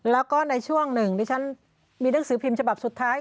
แล้วก็ในช่วงหนึ่งดิฉันมีหนังสือพิมพ์ฉบับสุดท้าย